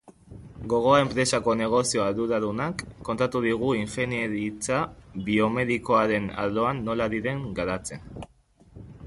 Gogoa enpresako negozio arduradunak kontatu digu ingeniaritza biomedikoaren arloan nola ari diren garatzen.